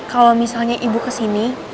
kalau misalnya ibu kesini